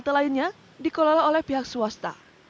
ketiga halte yang dikelola oleh pihak swasta